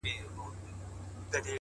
زمــا دزړه د ائينې په خاموشـۍ كي ـ